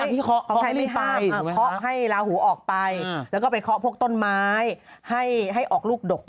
ถ้าบังดูไม่ได้หรอกว่าเป็นวิทยาศาสตร์